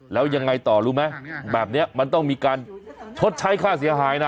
แล้วยังไงต่อรู้ไหมแบบนี้มันต้องมีการชดใช้ค่าเสียหายนะ